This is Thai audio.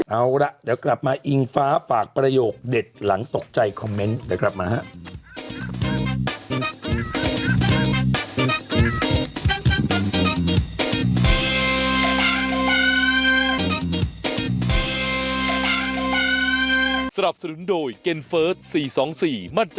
เอาล่ะเดี๋ยวกลับมาอิงฟ้าฝากประโยคเด็ดหลังตกใจคอมเมนต์เดี๋ยวกลับมาฮะ